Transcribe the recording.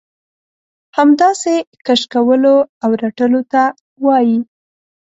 همداسې کش کولو او رټلو ته وايي.